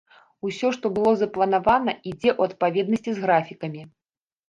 Усё, што было запланавана, ідзе ў адпаведнасці з графікамі.